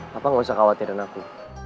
bapak gak usah khawatirin aku